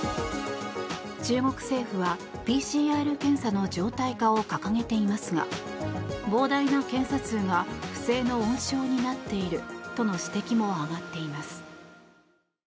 中国政府は、ＰＣＲ検査の常態化を掲げていますが膨大な検査数が不正の温床になっているとの指摘も上がっています。